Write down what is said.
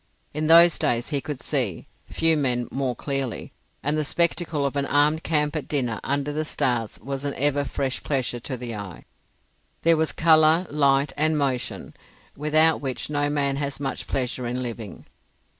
In those days he could see—few men more clearly—and the spectacle of an armed camp at dinner under the stars was an ever fresh pleasure to the eye. There was colour, light, and motion, without which no man has much pleasure in living.